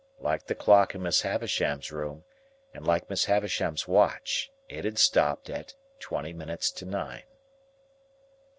Like the clock in Miss Havisham's room, and like Miss Havisham's watch, it had stopped at twenty minutes to nine.